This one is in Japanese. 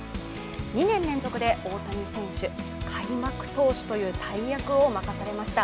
２年連続で大谷選手、開幕投手という大役を任されました。